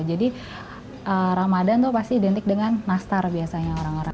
jadi ramadhan tuh pasti identik dengan nastar biasanya orang orang